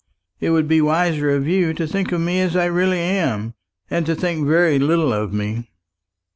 It would be wiser of you to think of me as I really am, and to think very little of me."